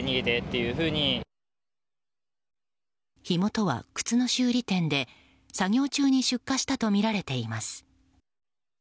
火元は靴の修理店で、作業中に出火したとみられています。